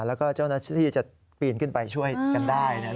แล้วก็เจ้าหน้าที่จะปีนขึ้นไปช่วยกันได้